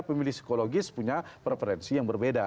pemilih psikologis punya preferensi yang berbeda